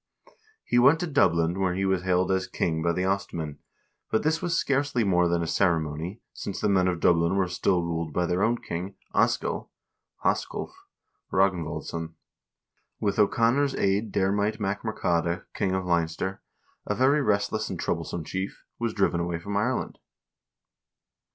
He went to Dublin, where he was also hailed as king by the Ostmen; but this was scarcely more than a ceremony, since the men of Dublin were still ruled by their own king, Askell (Hasculf) Ragnvaldsson. With O'Connor's aid Diarmait MacMurchadha, king of Leinster, a very restless and troublesome chief, was driven away from Ireland.